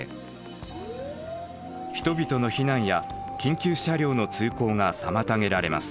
人々の避難や緊急車両の通行が妨げられます。